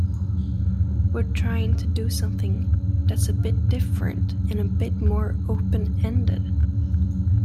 We're trying to do something that's a bit different, and a bit more open-ended.